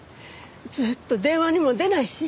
ずっと電話にも出ないし。